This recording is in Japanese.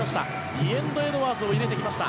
リエンド・エドワーズを入れてきました。